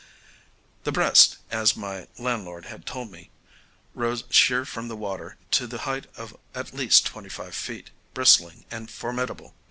The breast, as my landlord had told me, rose sheer from the water to the height of at least twenty five feet, bristling and formidable.